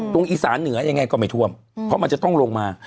อีสานเหนือยังไงก็ไม่ท่วมเพราะมันจะต้องลงมา